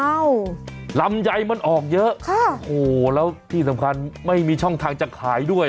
ลำไยมันออกเยอะค่ะโอ้โหแล้วที่สำคัญไม่มีช่องทางจะขายด้วย